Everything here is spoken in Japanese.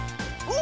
お！